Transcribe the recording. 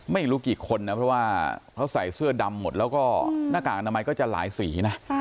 ไม่รู้กี่คนนะเพราะว่าเขาใส่เสื้อดำหมดแล้วก็หน้ากากอนามัยก็จะหลายสีนะ